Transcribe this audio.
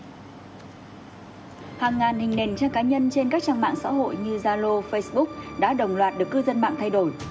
hàng ngàn hình nền trang cá nhân trên các trang mạng xã hội như zalo facebook đã đồng loạt được cư dân mạng thay đổi